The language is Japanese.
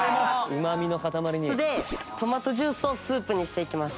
それでトマトジュースをスープにしていきます。